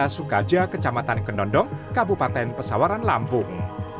masuk saja ke camatan kenondong kabupaten pesawaran lampung